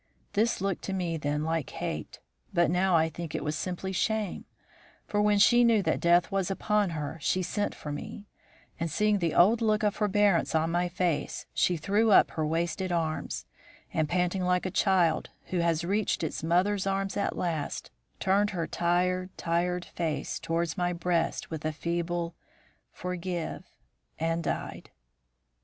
"This looked to me then like hate, but now I think it was simply shame; for when she knew that death was upon her she sent for me; and, seeing the old look of forbearance on my face, she threw up her wasted arms, and, panting like a child who has reached its mother's arms at last, turned her tired, tired face towards my breast with a feeble 'Forgive!' and died.